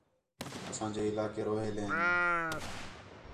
اساں جے علاقے روہیلے ہین